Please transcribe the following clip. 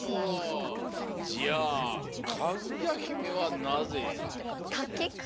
じゃあかぐやひめはなぜ？